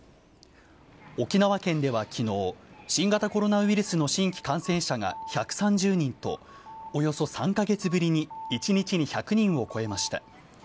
沖縄県ではきのう、新型コロナウイルスの新規感染者が１３０人と、およそ３か月ぶりに、１日に１００人を超えました。